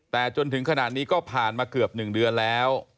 แต่จนถึงขนาดนี้ก็ผ่านมาเกือบ๑เดือนแล้ว